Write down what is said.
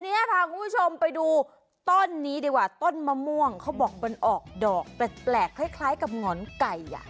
พาคุณผู้ชมไปดูต้นนี้ดีกว่าต้นมะม่วงเขาบอกมันออกดอกแปลกคล้ายกับหงอนไก่อ่ะ